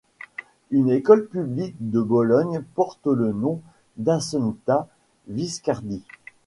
Une école publique de Bologne porte le nom d’Assunta Viscardi.